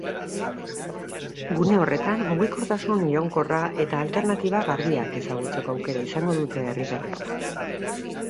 Gune horretan, mugikortasun iraunkorra eta alternatiba garbiek ezagutzeko aukera izango dute herritarrek.